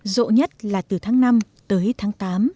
rộ nhất là từ tháng năm tới tháng tám